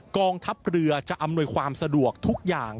กองทัพเรือจะอำนวยความสะดวกทุกอย่าง